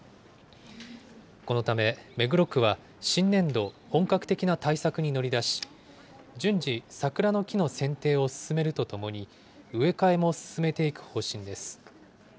このため目黒区は、新年度、本格的な対策に乗り出し、順次、桜の木のせんていを進めるとともに、植え替えも進めていく方針です。